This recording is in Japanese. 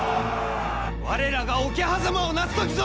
我らが桶狭間をなす時ぞ！